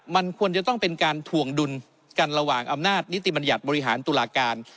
มันควรจะต้องเป็นการถวงดุลกันระหว่างอำนาจนิติบัญญัติบริหารตุลาการ